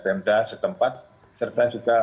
pemda setempat serta juga